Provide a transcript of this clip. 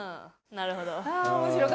なるほど。